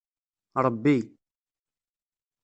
Ṛebbi.